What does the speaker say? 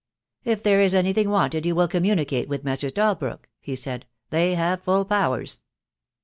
"If there is anything wanted you will communicate with Messrs. Dalbrook," he said. "They have full powers."